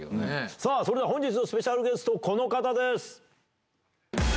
さあ、それでは本日のスペシャルゲスト、この方です。